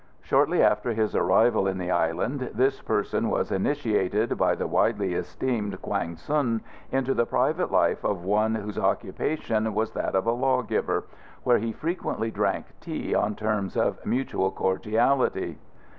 Shortly after his arrival in the Island, this person was initiated by the widely esteemed Quang Tsun into the private life of one whose occupation was that of a Law giver, where he frequently drank tea on terms of mutual cordiality.